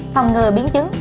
phòng ngừa biến chứng